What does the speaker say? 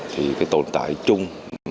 thì tồn tại chung